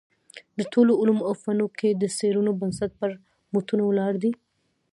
د ټولو علومو او فنونو کي د څېړنو بنسټ پر متونو ولاړ دﺉ.